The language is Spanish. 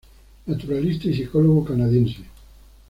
Naturalista y psicólogo canadiense.